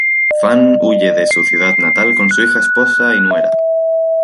Fan huye de su ciudad natal con su hija, esposa y nuera.